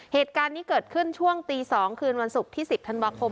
เหตุการณ์นี้เกิดขึ้นช่วงตี๒คืนวันศุกร์ที่๑๐ธันวาคม